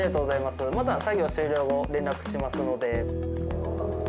また作業終了後連絡しますので。